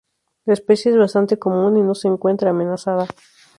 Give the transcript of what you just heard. La especie es bastante común, y no se encuentra amenazada.